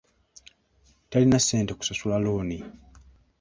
Talina ssente kusasula looni.